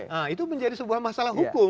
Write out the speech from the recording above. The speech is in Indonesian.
nah itu menjadi sebuah masalah hukum